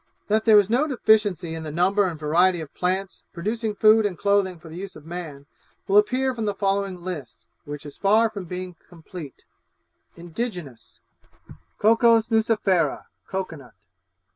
That there is no deficiency in the number and variety of plants, producing food and clothing for the use of man, will appear from the following list, which is far from being complete: INDIGENOUS Cocos nucifera Cocoa nut.